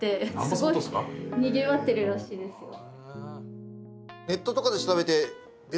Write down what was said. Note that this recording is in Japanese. すごいにぎわってるらしいですよ。